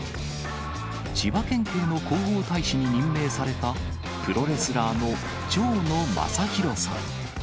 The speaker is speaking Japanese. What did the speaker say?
千葉県警の広報大使に任命された、プロレスラーの蝶野正洋さん。